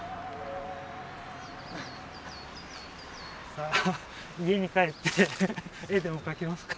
さあ家に帰って絵でも描きますか。